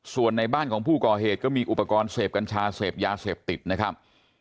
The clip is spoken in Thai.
ส่วนในบ้านของผู้ก่อเหตุก็มีอุปกรณ์เสพกัญชาเสพยาเสพติดนะครับ